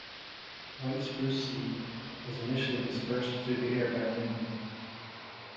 White spruce seed is initially dispersed through the air by wind.